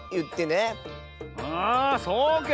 あそうけ。